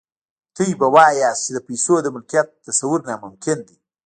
تاسې به واياست چې د پيسو د ملکيت تصور ناممکن دی.